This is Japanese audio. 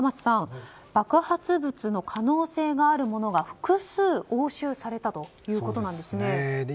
爆発物の可能性があるものが複数押収されたということなんですね。